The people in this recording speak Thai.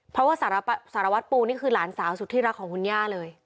เพราะว่าสารวัตรปูนี่คือหลานสาวสุดที่รักของคุณย่าเลย